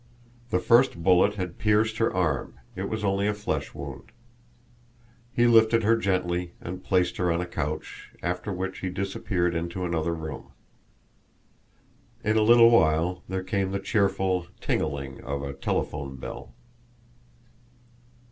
The first bullet had pierced her arm; it was only a flesh wound. He lifted her gently and placed her on a couch, after which he disappeared into another room. In a little while there came the cheerful ting a ling of a telephone bell.